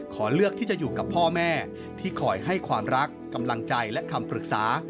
ขอเลือกที่จะอยู่กับพ่อแม่ที่คอยให้ความรักกำลังใจและคำปรึกษา